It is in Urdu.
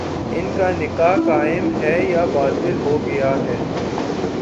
ان کا نکاح قائم ہے یا باطل ہو گیا ہے؟